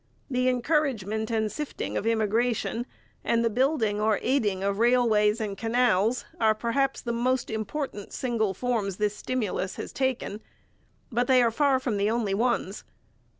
The encouragement and sifting of immigration and the building or aiding of railways and canals are perhaps the most important single forms this stimulus has taken; but they are far from the only ones.